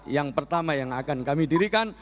yang pertama yang akan kami dirikan